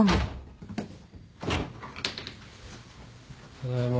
・ただいま。